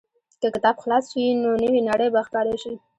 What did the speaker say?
که کتاب خلاص شي، نو نوې نړۍ به ښکاره شي.